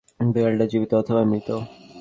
বিড়ালটা জীবত অথবা মৃত।